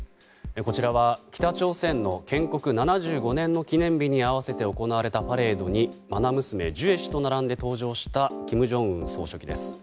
こちらは北朝鮮の建国７５年の記念日に合わせて行われたパレードにまな娘、ジュエ氏と並んで登場した、金正恩総書記です。